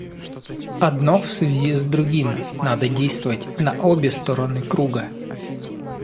Одно в связи с другим, надо действовать на обе стороны круга.